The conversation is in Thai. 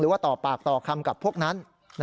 ว่าต่อปากต่อคำกับพวกนั้น